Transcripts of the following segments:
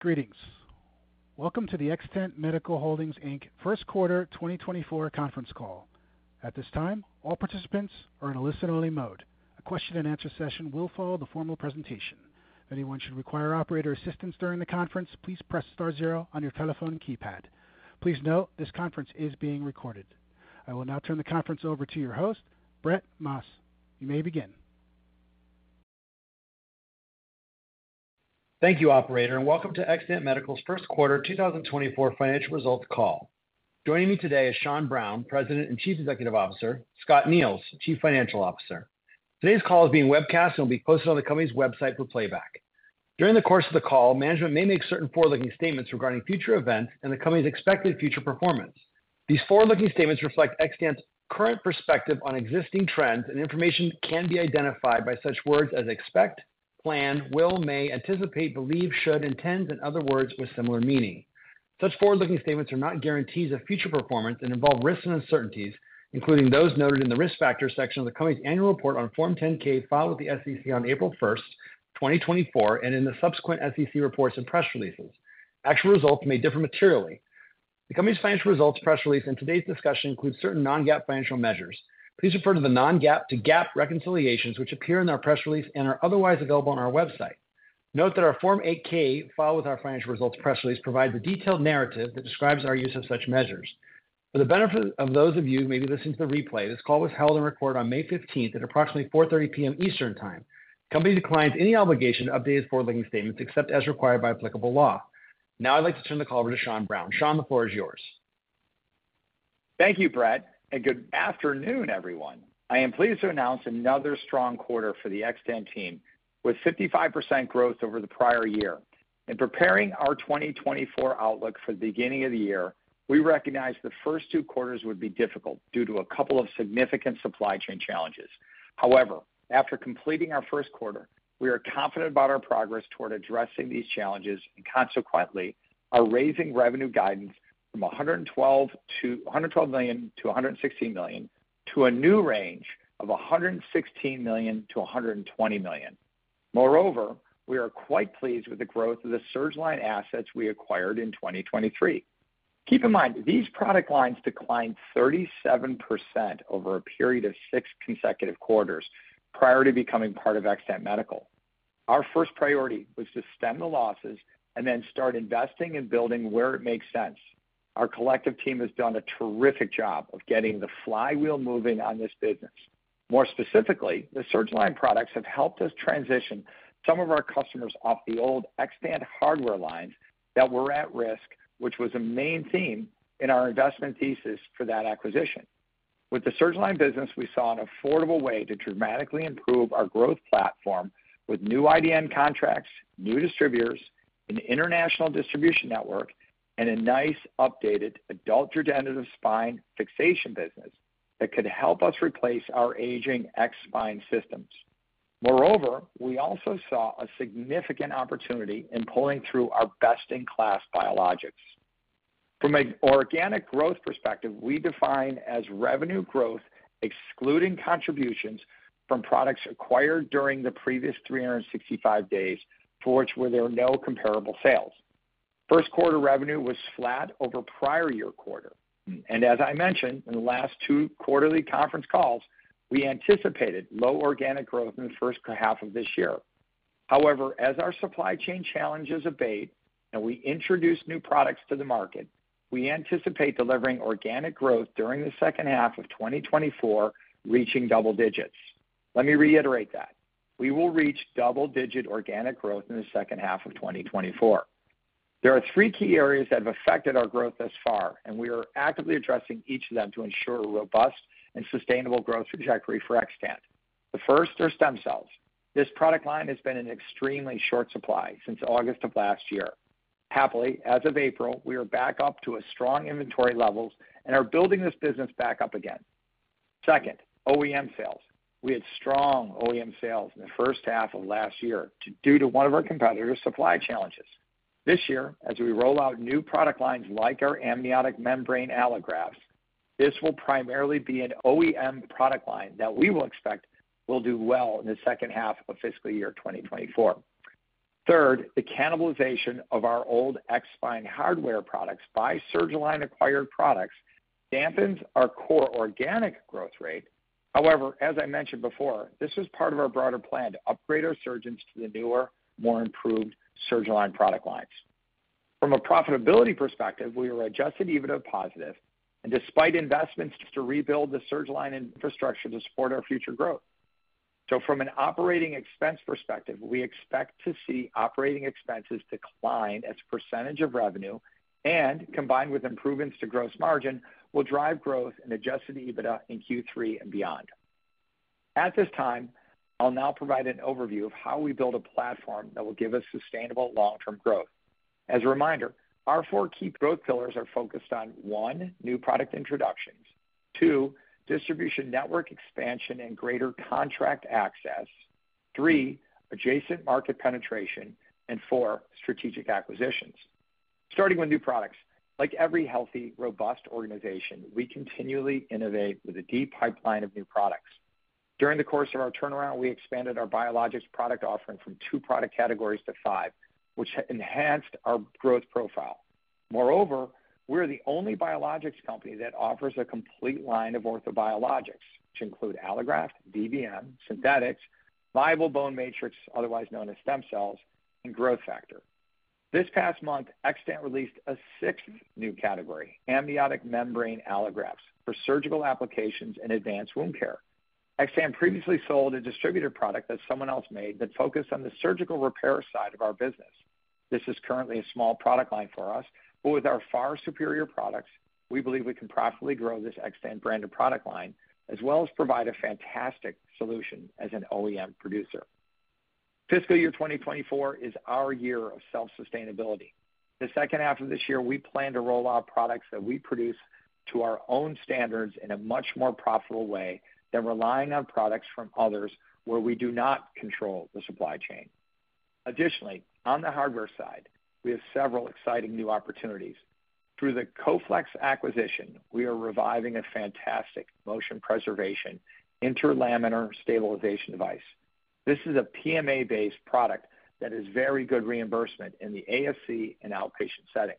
Greetings. Welcome to the Xtant Medical Holdings, Inc. First Quarter 2024 Conference Call. At this time, all participants are in a listen-only mode. A question-and-answer session will follow the formal presentation. If anyone should require operator assistance during the conference, please press star zero on your telephone keypad. Please note, this conference is being recorded. I will now turn the conference over to your host, Brett Maas. You may begin. Thank you, operator, and welcome to Xtant Medical's First Quarter 2024 Financial Results Call. Joining me today is Sean Browne, President and Chief Executive Officer, Scott Neils, Chief Financial Officer. Today's call is being webcast and will be posted on the company's website for playback. During the course of the call, management may make certain forward-looking statements regarding future events and the company's expected future performance. These forward-looking statements reflect Xtant's current perspective on existing trends, and information can be identified by such words as expect, plan, will, may, anticipate, believe, should, intends, and other words with similar meaning. Such forward-looking statements are not guarantees of future performance and involve risks and uncertainties, including those noted in the risk factors section of the company's annual report on Form 10-K filed with the SEC on April 1st, 2024, and in the subsequent SEC reports and press releases. Actual results may differ materially. The company's financial results press release and today's discussion include certain non-GAAP financial measures. Please refer to the non-GAAP to GAAP reconciliations, which appear in our press release and are otherwise available on our website. Note that our Form 8-K filed with our financial results press release provides a detailed narrative that describes our use of such measures. For the benefit of those of you who may be listening to the replay, this call was held and recorded on May 15 at approximately 4:30 P.M. Eastern Time. The company declines any obligation to update its forward-looking statements except as required by applicable law. Now I'd like to turn the call over to Sean Browne. Sean, the floor is yours. Thank you, Brett, and good afternoon, everyone. I am pleased to announce another strong quarter for the Xtant team, with 55% growth over the prior year. In preparing our 2024 outlook for the beginning of the year, we recognized the first two quarters would be difficult due to a couple of significant supply chain challenges. However, after completing our first quarter, we are confident about our progress toward addressing these challenges and consequently are raising revenue guidance from $112 million-$116 million to a new range of $116 million-$120 million. Moreover, we are quite pleased with the growth of the Surgalign assets we acquired in 2023. Keep in mind, these product lines declined 37% over a period of six consecutive quarters prior to becoming part of Xtant Medical. Our first priority was to stem the losses and then start investing and building where it makes sense. Our collective team has done a terrific job of getting the flywheel moving on this business. More specifically, the Surgalign products have helped us transition some of our customers off the old Xtant hardware lines that were at risk, which was a main theme in our investment thesis for that acquisition. With the Surgalign business, we saw an affordable way to dramatically improve our growth platform with new IDN contracts, new distributors, an international distribution network, and a nice updated adult degenerative spine fixation business that could help us replace our aging X-spine systems. Moreover, we also saw a significant opportunity in pulling through our best-in-class biologics. From an organic growth perspective, we define as revenue growth excluding contributions from products acquired during the previous 365 days for which were there no comparable sales. First quarter revenue was flat over prior-year quarter. As I mentioned, in the last two quarterly conference calls, we anticipated low organic growth in the first half of this year. However, as our supply chain challenges abate and we introduce new products to the market, we anticipate delivering organic growth during the second half of 2024 reaching double digits. Let me reiterate that. We will reach double-digit organic growth in the second half of 2024. There are three key areas that have affected our growth thus far, and we are actively addressing each of them to ensure a robust and sustainable growth trajectory for Xtant. The first are stem cells. This product line has been in extremely short supply since August of last year. Happily, as of April, we are back up to strong inventory levels and are building this business back up again. Second, OEM sales. We had strong OEM sales in the first half of last year due to one of our competitors' supply challenges. This year, as we roll out new product lines like our amniotic membrane allografts, this will primarily be an OEM product line that we will expect will do well in the second half of fiscal year 2024. Third, the cannibalization of our old X-spine hardware products by Surgalign acquired products dampens our core organic growth rate. However, as I mentioned before, this was part of our broader plan to upgrade our surgeons to the newer, more improved Surgalign product lines. From a profitability perspective, we are Adjusted EBITDA positive, and despite investments to rebuild the Surgalign infrastructure to support our future growth. So from an operating expense perspective, we expect to see operating expenses decline as a percentage of revenue, and combined with improvements to gross margin, will drive growth and Adjusted EBITDA in Q3 and beyond. At this time, I'll now provide an overview of how we build a platform that will give us sustainable long-term growth. As a reminder, our four key growth pillars are focused on: one, new product introductions, two, distribution network expansion and greater contract access, three, adjacent market penetration, and four, strategic acquisitions. Starting with new products, like every healthy, robust organization, we continually innovate with a deep pipeline of new products. During the course of our turnaround, we expanded our biologics product offering from two product categories to five, which enhanced our growth profile. Moreover, we're the only biologics company that offers a complete line of orthobiologics, which include allograft, DBM, synthetics, viable bone matrix, otherwise known as stem cells, and growth factor. This past month, Xtant released a sixth new category, amniotic membrane allografts, for surgical applications and advanced wound care. Xtant previously sold a distributed product that someone else made that focused on the surgical repair side of our business. This is currently a small product line for us, but with our far superior products, we believe we can profitably grow this Xtant branded product line as well as provide a fantastic solution as an OEM producer. Fiscal year 2024 is our year of self-sustainability. The second half of this year, we plan to roll out products that we produce to our own standards in a much more profitable way than relying on products from others where we do not control the supply chain. Additionally, on the hardware side, we have several exciting new opportunities. Through the coflex acquisition, we are reviving a fantastic motion preservation interlaminar stabilization device. This is a PMA-based product that is very good reimbursement in the ASC and outpatient settings.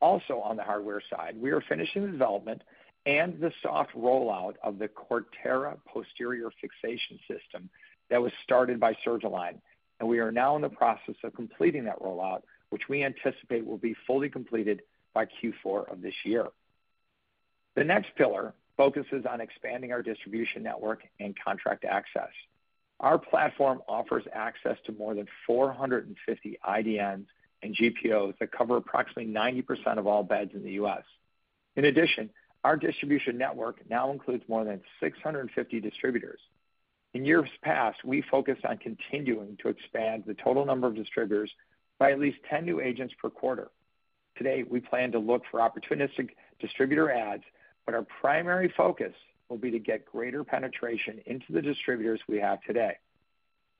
Also on the hardware side, we are finishing development and the soft rollout of the Cortera posterior fixation system that was started by Surgalign, and we are now in the process of completing that rollout, which we anticipate will be fully completed by Q4 of this year. The next pillar focuses on expanding our distribution network and contract access. Our platform offers access to more than 450 IDNs and GPOs that cover approximately 90% of all beds in the U.S. In addition, our distribution network now includes more than 650 distributors. In years past, we focused on continuing to expand the total number of distributors by at least 10 new agents per quarter. Today, we plan to look for opportunistic distributor ads, but our primary focus will be to get greater penetration into the distributors we have today.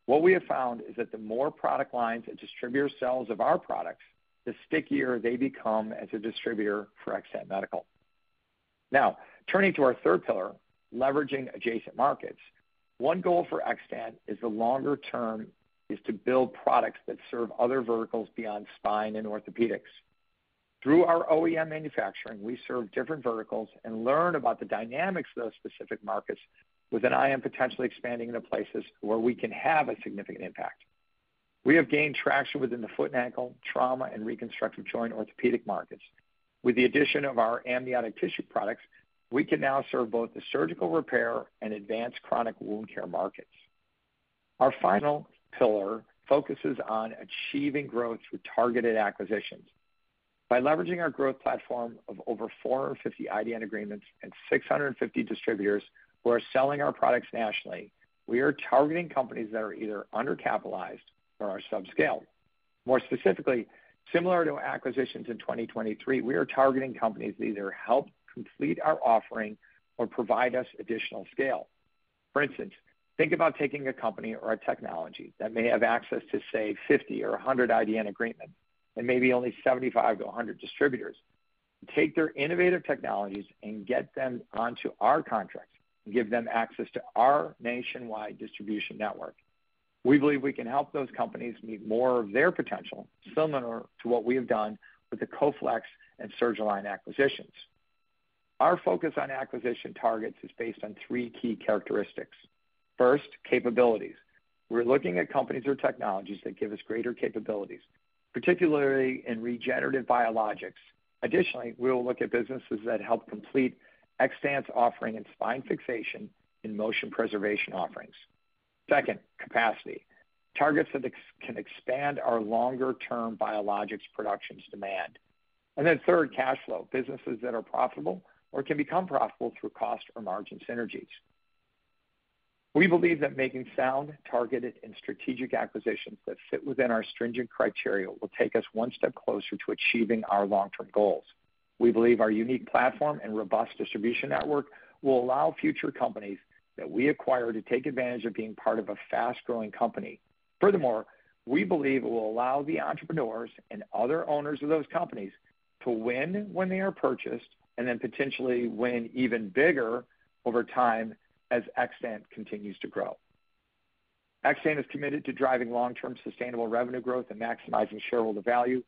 What we have found is that the more product lines a distributor sells of our products, the stickier they become as a distributor for Xtant Medical. Now, turning to our third pillar, leveraging adjacent markets. One goal for Xtant is the longer term is to build products that serve other verticals beyond spine and orthopedics. Through our OEM manufacturing, we serve different verticals and learn about the dynamics of those specific markets, with an eye on potentially expanding into places where we can have a significant impact. We have gained traction within the foot and ankle, trauma, and reconstructive joint orthopedic markets. With the addition of our amniotic tissue products, we can now serve both the surgical repair and advanced chronic wound care markets. Our final pillar focuses on achieving growth through targeted acquisitions. By leveraging our growth platform of over 450 IDN agreements and 650 distributors who are selling our products nationally, we are targeting companies that are either undercapitalized or are subscaled. More specifically, similar to acquisitions in 2023, we are targeting companies that either help complete our offering or provide us additional scale. For instance, think about taking a company or a technology that may have access to, say, 50 or 100 IDN agreements and maybe only 75-100 distributors. Take their innovative technologies and get them onto our contracts and give them access to our nationwide distribution network. We believe we can help those companies meet more of their potential similar to what we have done with the coflex and Surgalign acquisitions. Our focus on acquisition targets is based on three key characteristics. First, capabilities. We're looking at companies or technologies that give us greater capabilities, particularly in regenerative biologics. Additionally, we will look at businesses that help complete Xtant's offering in spine fixation and motion preservation offerings. Second, capacity. Targets that can expand our longer-term biologics production's demand. And then third, cash flow. Businesses that are profitable or can become profitable through cost or margin synergies. We believe that making sound, targeted, and strategic acquisitions that fit within our stringent criteria will take us one step closer to achieving our long-term goals. We believe our unique platform and robust distribution network will allow future companies that we acquire to take advantage of being part of a fast-growing company. Furthermore, we believe it will allow the entrepreneurs and other owners of those companies to win when they are purchased and then potentially win even bigger over time as Xtant continues to grow. Xtant is committed to driving long-term sustainable revenue growth and maximizing shareholder value.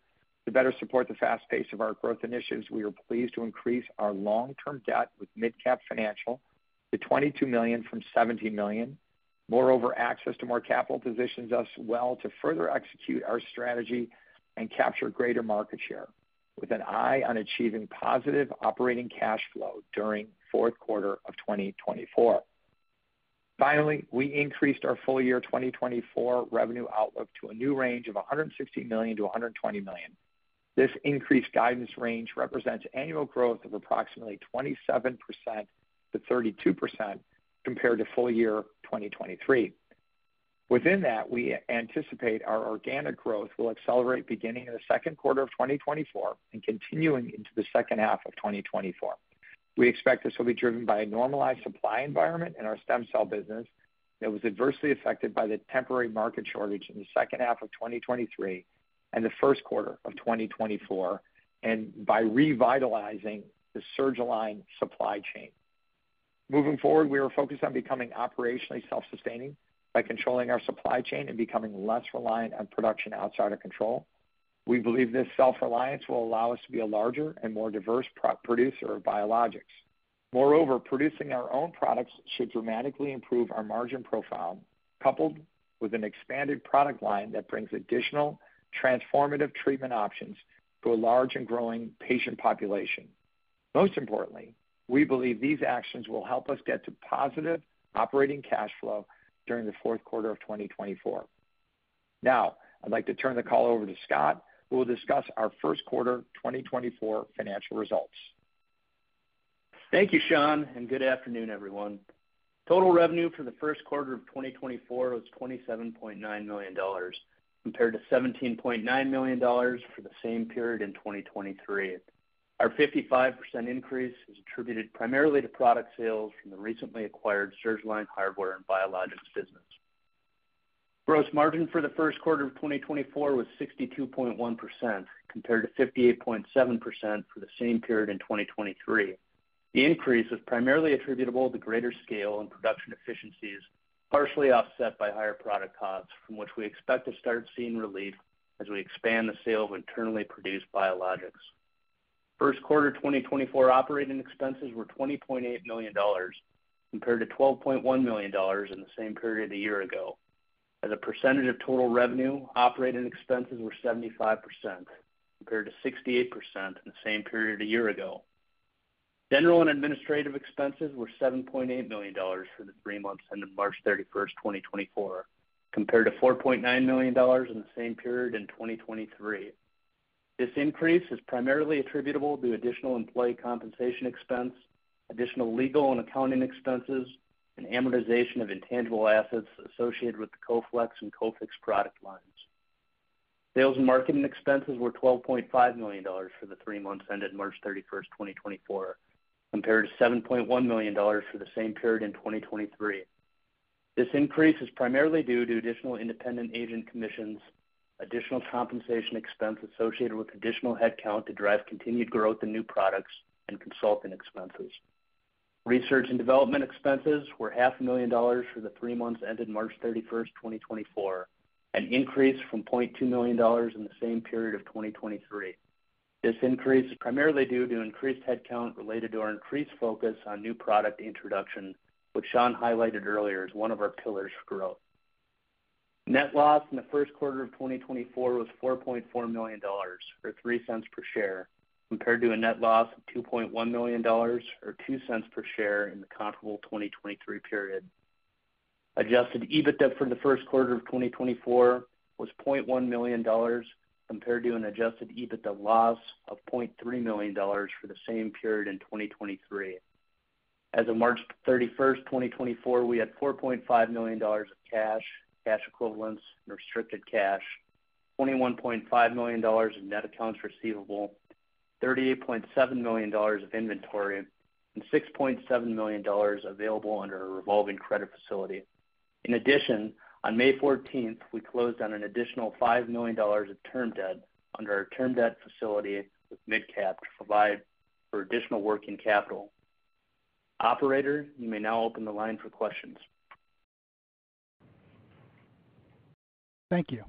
To better support the fast pace of our growth initiatives, we are pleased to increase our long-term debt with MidCap Financial to $22 million from $17 million. Moreover, access to more capital positions us well to further execute our strategy and capture greater market share with an eye on achieving positive operating cash flow during fourth quarter of 2024. Finally, we increased our full-year 2024 revenue outlook to a new range of $116 million-$120 million. This increased guidance range represents annual growth of approximately 27%-32% compared to full-year 2023. Within that, we anticipate our organic growth will accelerate beginning in the second quarter of 2024 and continuing into the second half of 2024. We expect this will be driven by a normalized supply environment in our stem cell business that was adversely affected by the temporary market shortage in the second half of 2023 and the first quarter of 2024 and by revitalizing the Surgalign supply chain. Moving forward, we are focused on becoming operationally self-sustaining by controlling our supply chain and becoming less reliant on production outside of control. We believe this self-reliance will allow us to be a larger and more diverse producer of biologics. Moreover, producing our own products should dramatically improve our margin profile, coupled with an expanded product line that brings additional transformative treatment options to a large and growing patient population. Most importantly, we believe these actions will help us get to positive operating cash flow during the fourth quarter of 2024. Now, I'd like to turn the call over to Scott, who will discuss our first quarter 2024 financial results. Thank you, Sean, and good afternoon, everyone. Total revenue for the first quarter of 2024 was $27.9 million compared to $17.9 million for the same period in 2023. Our 55% increase is attributed primarily to product sales from the recently acquired Surgalign hardware and biologics business. Gross margin for the first quarter of 2024 was 62.1% compared to 58.7% for the same period in 2023. The increase is primarily attributable to greater scale and production efficiencies, partially offset by higher product costs, from which we expect to start seeing relief as we expand the sale of internally produced biologics. First quarter 2024 operating expenses were $20.8 million compared to $12.1 million in the same period a year ago. As a percentage of total revenue, operating expenses were 75% compared to 68% in the same period a year ago. General and administrative expenses were $7.8 million for the three months ending March 31st, 2024, compared to $4.9 million in the same period in 2023. This increase is primarily attributable to additional employee compensation expense, additional legal and accounting expenses, and amortization of intangible assets associated with the coflex and cofix product lines. Sales and marketing expenses were $12.5 million for the three months ending March 31st, 2024, compared to $7.1 million for the same period in 2023. This increase is primarily due to additional independent agent commissions, additional compensation expense associated with additional headcount to drive continued growth in new products, and consulting expenses. Research and development expenses were $500,000 for the three months ending March 31st, 2024, an increase from $0.2 million in the same period of 2023. This increase is primarily due to increased headcount related to our increased focus on new product introduction, which Sean highlighted earlier as one of our pillars for growth. Net loss in the first quarter of 2024 was $4.4 million or $0.03 per share compared to a net loss of $2.1 million or $0.02 per share in the comparable 2023 period. Adjusted EBITDA for the first quarter of 2024 was $0.1 million compared to an adjusted EBITDA loss of $0.3 million for the same period in 2023. As of March 31st, 2024, we had $4.5 million of cash, cash equivalents, and restricted cash, $21.5 million of net accounts receivable, $38.7 million of inventory, and $6.7 million available under a revolving credit facility. In addition, on May 14th, we closed on an additional $5 million of term debt under our term debt facility with MidCap to provide for additional working capital. Operator, you may now open the line for questions. Thank you.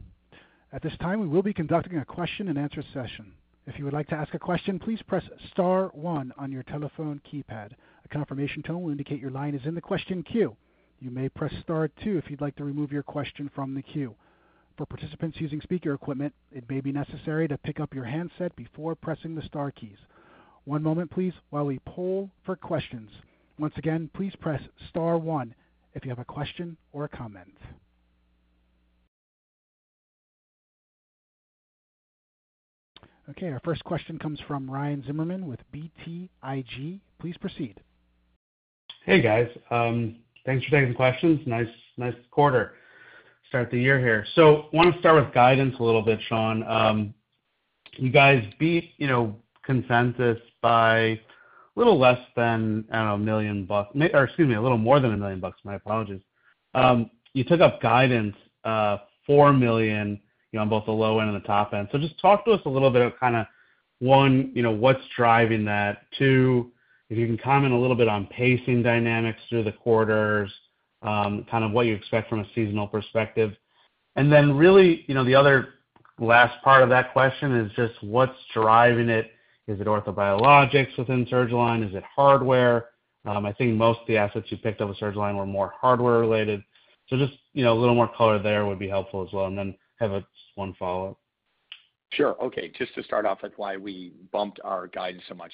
At this time, we will be conducting a question and answer session. If you would like to ask a question, please press star one on your telephone keypad. A confirmation tone will indicate your line is in the question queue. You may press star two if you'd like to remove your question from the queue. For participants using speaker equipment, it may be necessary to pick up your handset before pressing the star keys. One moment, please, while we pull for questions. Once again, please press star one if you have a question or a comment. Okay, our first question comes from Ryan Zimmerman with BTIG. Please proceed. Hey, guys. Thanks for taking the questions. Nice quarter. Start the year here. So want to start with guidance a little bit, Sean. You guys beat consensus by a little less than, I don't know, $1 million or excuse me, a little more than $1 million. My apologies. You took up guidance $4 million on both the low end and the top end. So just talk to us a little bit of kind of, one, what's driving that? Two, if you can comment a little bit on pacing dynamics through the quarters, kind of what you expect from a seasonal perspective. And then really, the other last part of that question is just what's driving it? Is it orthobiologics within Surgalign? Is it hardware? I think most of the assets you picked up with Surgalign were more hardware-related. Just a little more color there would be helpful as well. And then have us one follow-up. Sure. Okay, just to start off with why we bumped our guidance so much.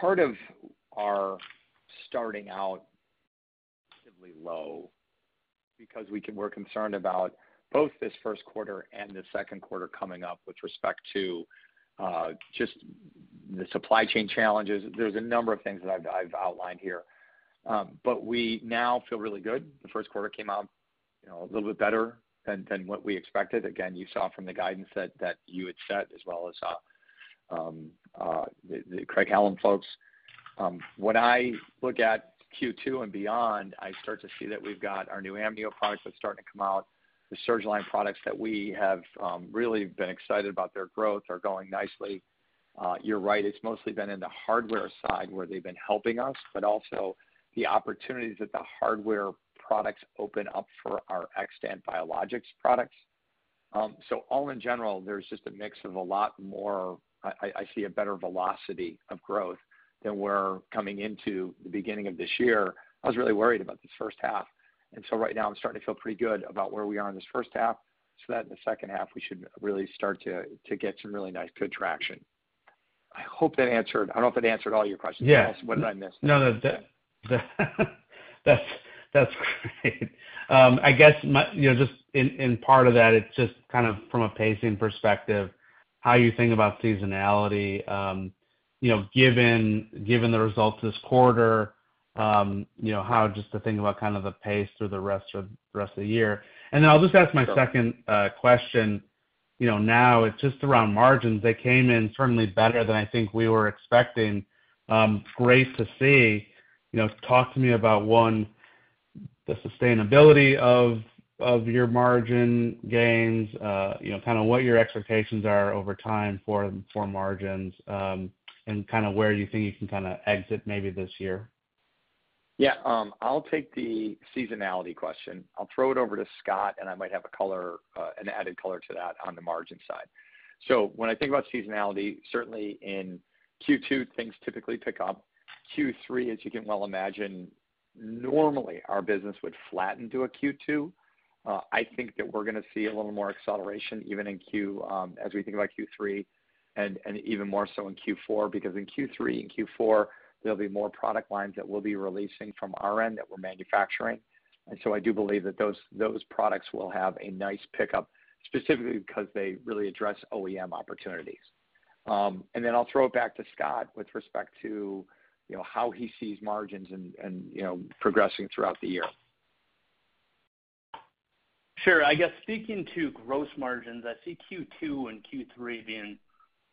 Part of our starting out relatively low because we're concerned about both this first quarter and the second quarter coming up with respect to just the supply chain challenges. There's a number of things that I've outlined here, but we now feel really good. The first quarter came out a little bit better than what we expected. Again, you saw from the guidance that you had set as well as the Craig-Hallum folks. When I look at Q2 and beyond, I start to see that we've got our new Amnio products that's starting to come out. The Surgalign products that we have really been excited about their growth are going nicely. You're right. It's mostly been in the hardware side where they've been helping us, but also the opportunities that the hardware products open up for our Xtant biologics products. So all in general, there's just a mix of a lot more, I see a better velocity of growth than we're coming into the beginning of this year. I was really worried about this first half. And so right now, I'm starting to feel pretty good about where we are in this first half so that in the second half, we should really start to get some really nice, good traction. I hope that answered. I don't know if that answered all your questions. What did I miss there? No, no. That's great. I guess just in part of that, it's just kind of from a pacing perspective, how you think about seasonality. Given the results of this quarter, how just to think about kind of the pace through the rest of the year. And then I'll just ask my second question. Now, it's just around margins. They came in certainly better than I think we were expecting. Great to see. Talk to me about, one, the sustainability of your margin gains, kind of what your expectations are over time for margins, and kind of where you think you can kind of exit maybe this year. Yeah. I'll take the seasonality question. I'll throw it over to Scott, and I might have an added color to that on the margin side. So when I think about seasonality, certainly in Q2, things typically pick up. Q3, as you can well imagine, normally, our business would flatten to a Q2. I think that we're going to see a little more acceleration even as we think about Q3 and even more so in Q4 because in Q3 and Q4, there'll be more product lines that we'll be releasing from our end that we're manufacturing. And so I do believe that those products will have a nice pickup, specifically because they really address OEM opportunities. And then I'll throw it back to Scott with respect to how he sees margins and progressing throughout the year. Sure. I guess speaking to gross margins, I see Q2 and Q3 being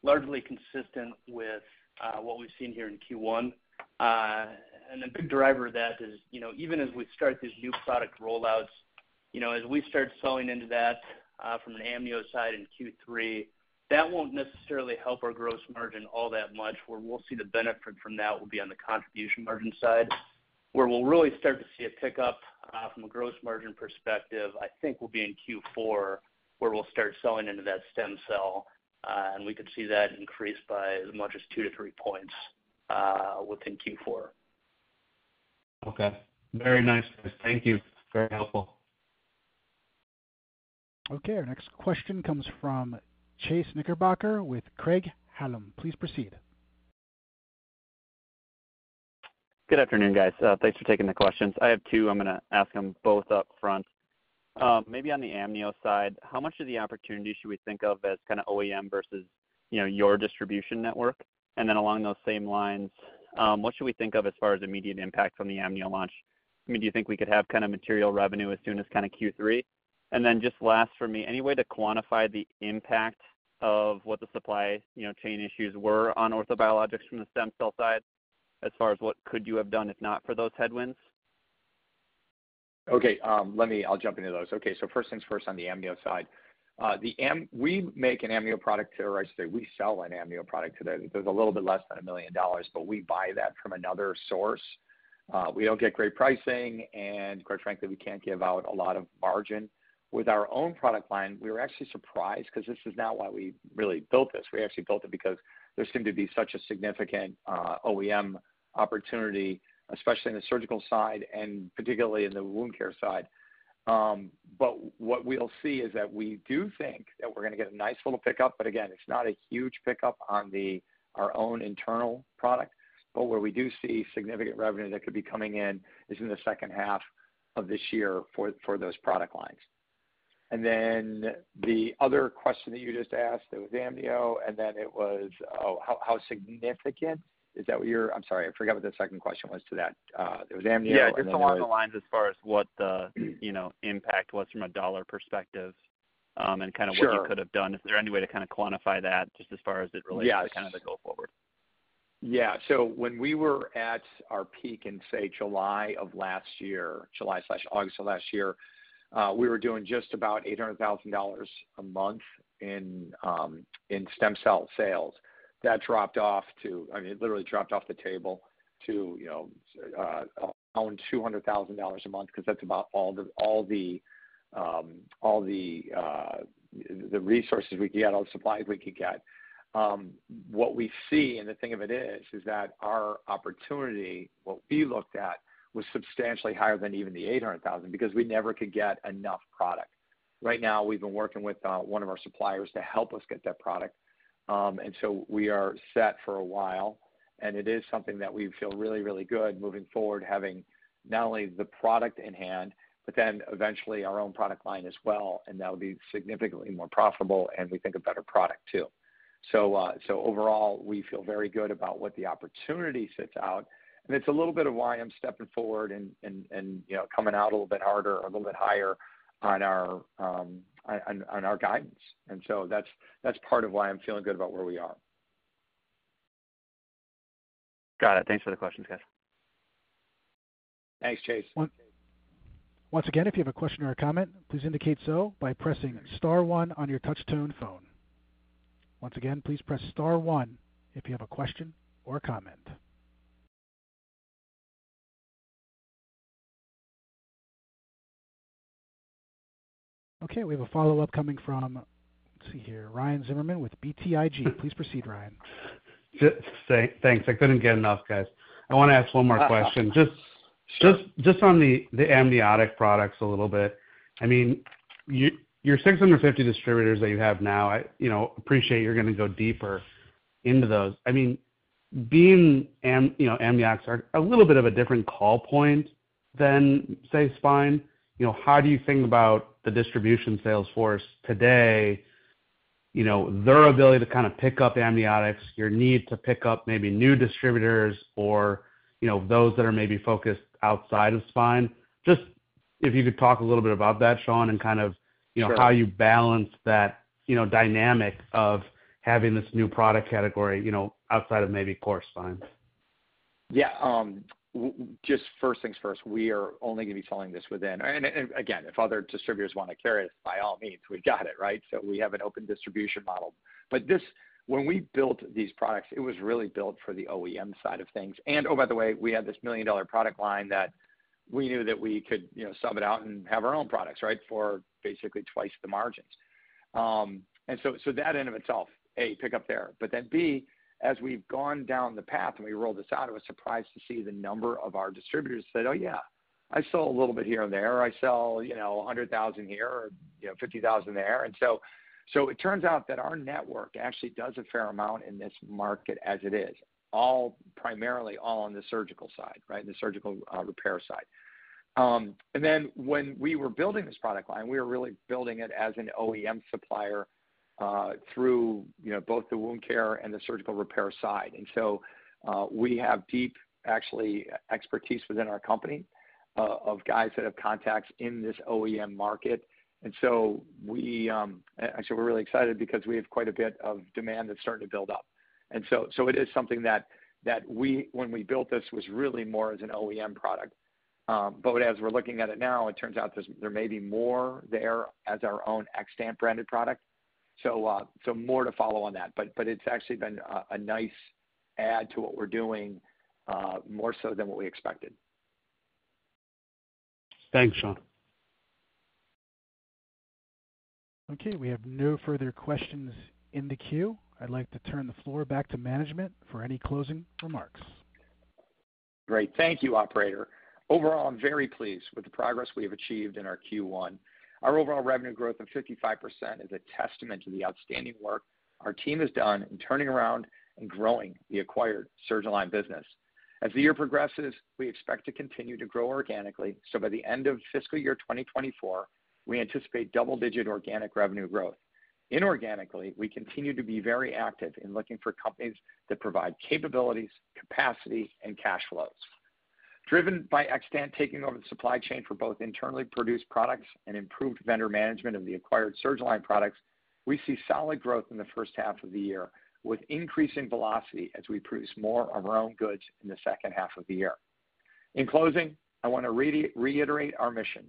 largely consistent with what we've seen here in Q1. And a big driver of that is even as we start these new product rollouts, as we start selling into that from an Amnio side in Q3, that won't necessarily help our gross margin all that much. Where we'll see the benefit from that will be on the contribution margin side. Where we'll really start to see a pickup from a gross margin perspective, I think, will be in Q4 where we'll start selling into that stem cell. And we could see that increase by as much as two to three points within Q4. Okay. Very nice. Thank you. Very helpful. Okay, our next question comes from Chase Knickerbocker with Craig-Hallum. Please proceed. Good afternoon, guys. Thanks for taking the questions. I have two. I'm going to ask them both up front. Maybe on the Amnio side, how much of the opportunity should we think of as kind of OEM versus your distribution network? And then along those same lines, what should we think of as far as immediate impact from the Amnio launch? I mean, do you think we could have kind of material revenue as soon as kind of Q3? And then just last for me, any way to quantify the impact of what the supply chain issues were on orthobiologics from the stem cell side as far as what could you have done if not for those headwinds? Okay. I'll jump into those. Okay, so first things first on the Amnio side. We make an Amnio product today, or I should say we sell an Amnio product today. There's a little bit less than $1 million, but we buy that from another source. We don't get great pricing. Quite frankly, we can't give out a lot of margin. With our own product line, we were actually surprised because this is not why we really built this. We actually built it because there seemed to be such a significant OEM opportunity, especially in the surgical side and particularly in the wound care side. What we'll see is that we do think that we're going to get a nice little pickup. But again, it's not a huge pickup on our own internal product. But where we do see significant revenue that could be coming in is in the second half of this year for those product lines. And then the other question that you just asked, it was Amnio, and then it was, oh, how significant? Is that what you're? I'm sorry. I forgot what the second question was to that. It was Amnio and then. Yeah, just along the lines as far as what the impact was from a dollar perspective and kind of what you could have done. Is there any way to kind of quantify that just as far as it relates to kind of the growth forward? Yeah. So when we were at our peak in, say, July of last year, July/August of last year, we were doing just about $800,000 a month in stem cell sales. That dropped off to I mean, it literally dropped off the table to around $200,000 a month because that's about all the resources we could get, all the supplies we could get. What we see, and the thing of it is, is that our opportunity, what we looked at, was substantially higher than even the $800,000 because we never could get enough product. Right now, we've been working with one of our suppliers to help us get that product. And so we are set for a while. And it is something that we feel really, really good moving forward, having not only the product in hand, but then eventually our own product line as well. That would be significantly more profitable, and we think a better product too. Overall, we feel very good about what the opportunity is at. It's a little bit of why I'm stepping forward and coming out a little bit harder or a little bit higher on our guidance. So that's part of why I'm feeling good about where we are. Got it. Thanks for the questions, guys. Thanks, Chase. Once again, if you have a question or a comment, please indicate so by pressing star one on your touch-tone phone. Once again, please press star one if you have a question or a comment. Okay, we have a follow-up coming from let's see here, Ryan Zimmerman with BTIG. Please proceed, Ryan. Thanks. I couldn't get enough, guys. I want to ask one more question. Just on the Amniotic products a little bit. I mean, your 650 distributors that you have now, I appreciate you're going to go deeper into those. I mean, being amniotics are a little bit of a different call point than, say, Spine. How do you think about the distribution sales force today, their ability to kind of pick up Amniotics, your need to pick up maybe new distributors or those that are maybe focused outside of Spine? Just if you could talk a little bit about that, Sean, and kind of how you balance that dynamic of having this new product category outside of maybe Core Spine. Yeah. Just first things first, we are only going to be selling this within. And again, if other distributors want to carry us, by all means, we've got it, right? So we have an open distribution model. But when we built these products, it was really built for the OEM side of things. And oh, by the way, we had this million-dollar product line that we knew that we could sub it out and have our own products, right, for basically twice the margins. And so that in and of itself, A, pick up there. But then B, as we've gone down the path and we rolled this out, it was surprise to see the number of our distributors said, "Oh, yeah. I sell a little bit here and there. I sell 100,000 here or 50,000 there." And so it turns out that our network actually does a fair amount in this market as it is, primarily all on the surgical side, right, the surgical repair side. And then when we were building this product line, we were really building it as an OEM supplier through both the wound care and the surgical repair side. And so we have deep, actually, expertise within our company of guys that have contacts in this OEM market. And so actually, we're really excited because we have quite a bit of demand that's starting to build up. And so it is something that when we built this was really more as an OEM product. But as we're looking at it now, it turns out there may be more there as our own Xtant branded product. So more to follow on that. It's actually been a nice add to what we're doing more so than what we expected. Thanks, Sean. Okay, we have no further questions in the queue. I'd like to turn the floor back to management for any closing remarks. Great. Thank you, operator. Overall, I'm very pleased with the progress we have achieved in our Q1. Our overall revenue growth of 55% is a testament to the outstanding work our team has done in turning around and growing the acquired Surgalign business. As the year progresses, we expect to continue to grow organically. By the end of fiscal year 2024, we anticipate double-digit organic revenue growth. Inorganically, we continue to be very actiyearve in looking for companies that provide capabilities, capacity, and cash flows. Driven by Xtant taking over the supply chain for both internally produced products and improved vendor management of the acquired Surgalign products, we see solid growth in the first half of the year with increasing velocity as we produce more of our own goods in the second half of the year. In closing, I want to reiterate our mission,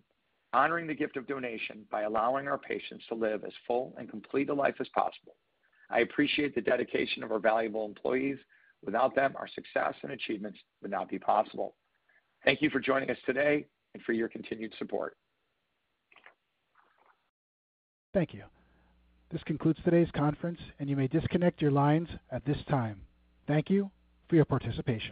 honoring the gift of donation by allowing our patients to live as full and complete a life as possible. I appreciate the dedication of our valuable employees. Without them, our success and achievements would not be possible. Thank you for joining us today and for your continued support. Thank you. This concludes today's conference, and you may disconnect your lines at this time. Thank you for your participation.